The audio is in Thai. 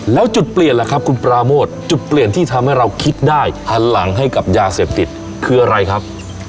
แล้วจุดเปลี่ยนล่ะครับคุณปราโมทจุดเปลี่ยนที่ทำให้เราคิดได้หันหลังให้กับยาเสพติดคืออะไรครับ